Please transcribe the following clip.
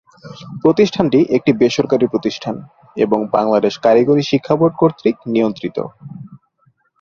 প্রতিষ্ঠানটি একটি বেসরকারি প্রতিষ্ঠান এবং বাংলাদেশ কারিগরি শিক্ষা বোর্ড কর্তৃক নিয়ন্ত্রিত।